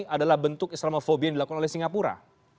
adalah bentuk islamofobia yang dilakukan oleh singapura